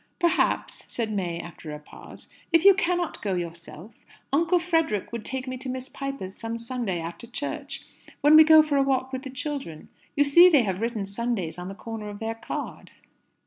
"Perhaps," said May, after a pause, "if you cannot go yourself, Uncle Frederick would take me to Miss Piper's some Sunday after church, when we go for a walk with the children. You see they have written 'Sundays' on the corner of their card."